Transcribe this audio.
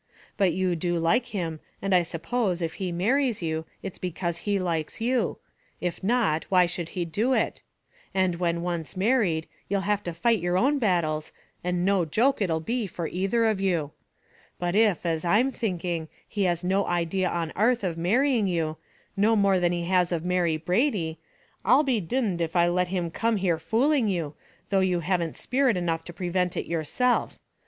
but you do like him, and I suppose, if he marries you, it's becase he likes you; if not, why should he do it? And when once married, you'll have to fight your own battles, and no joke it'll be for either of you. But if, as I'm thinking, he has no idea on arth of marrying you, no more than he has of Mary Brady, I'll be d d if I let him come here fooling you, though you haven't sperit enough to prevent it yourself.